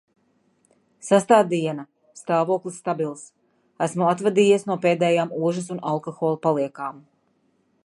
Sestā diena. stāvoklis stabils. esmu atvadījies no pēdējām ožas un alkohola paliekām.